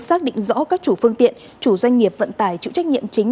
xác định rõ các chủ phương tiện chủ doanh nghiệp vận tải chịu trách nhiệm chính